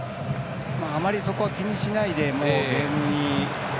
あまりそこは気にしないでゲームに１００％で。